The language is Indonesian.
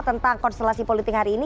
tentang konstelasi politik hari ini